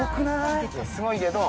いやすごいけど。